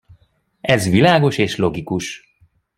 Ez világos és logikus.